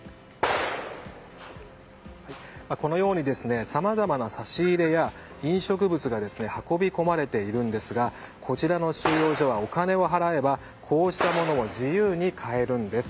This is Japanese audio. このようにさまざまな差し入れや飲食物が運び込まれているんですがこちらの収容所はお金を払えばこうしたものを自由に買えるんです。